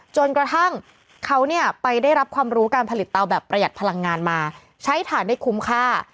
จนกระทั่งเขาเนี่ยไปได้รับความรู้การผลิตเตาแบบประหยัดพลังงานมาใช้ฐานได้คุ้มค่า